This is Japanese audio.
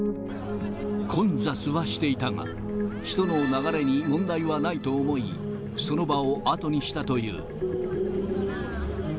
混雑はしていたが、人の流れに問題はないと思い、その場を後にしたという。